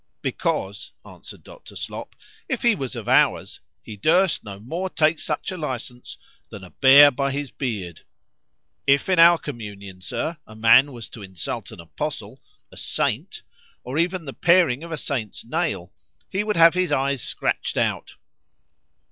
——Because, answered Dr. Slop, if he was of ours,—he durst no more take such a licence,—than a bear by his beard:—If, in our communion, Sir, a man was to insult an apostle,——a saint,——or even the paring of a saint's nail,—he would have his eyes scratched out.